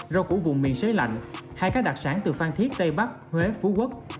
rau củ vùng miền xế lạnh hai các đặc sản từ phan thiết tây bắc huế phú quốc